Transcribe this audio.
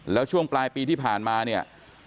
แล้วช่วงปลายปีที่ผ่านมาเนี่ย